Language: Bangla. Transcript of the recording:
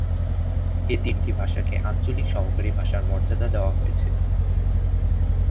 এই তিনটি ভাষাকে আঞ্চলিক সরকারি ভাষার মর্যাদা দেওয়া হয়েছে।